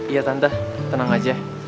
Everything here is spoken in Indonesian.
iya tante tenang aja